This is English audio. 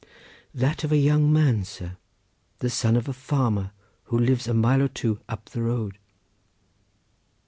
"That of a young man, sir, the son of a farmer, who lives a mile or so up the road."